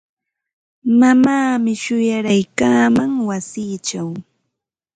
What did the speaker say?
Mamaami shuwaraykaaman wasichaw.